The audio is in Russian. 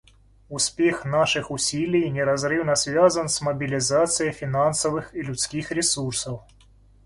Успех наших усилий неразрывно связан с мобилизацией финансовых и людских ресурсов.